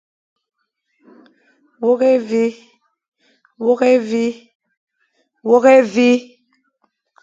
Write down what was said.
Wôkh évi.